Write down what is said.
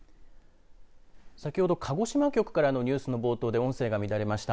先ほど鹿児島局からのニュースの冒頭で音声が乱れました。